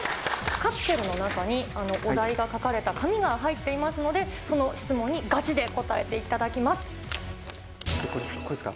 カプセルの中にお題が書かれた紙が入っていますので、その質問にこれですか。